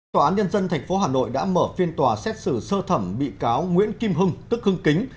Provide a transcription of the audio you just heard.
tòa án nhân dân tp hà nội đã mở phiên tòa xét xử sơ thẩm bị cáo nguyễn kim hưng tức hưng kính